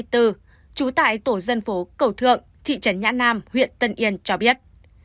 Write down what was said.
trú tại tổ dân phố cầu thượng thị trấn nhã nam huyện tân yên cho biết